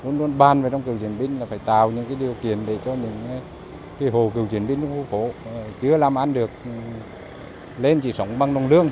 những hồ cựu chiến binh của phố chưa làm ăn được lên chỉ sống bằng nông lương